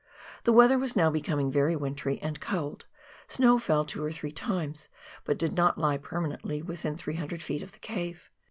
The weather was now becoming very wintry and cold, snow fell two or three times, but did not lie per manently within three hundred feet of the cave.